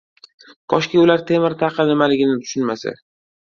Koshki ular temir-taqa nimaligini tushunmasa!